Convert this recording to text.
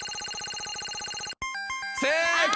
正解！